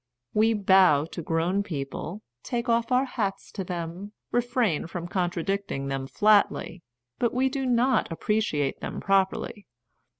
We bow to grown people, take off our hats to them, refrain from contradicting them flatly, but we do not appreciate them properly.